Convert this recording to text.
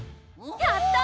やった！